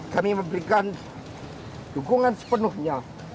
kami memberikan dukungan sepenuhnya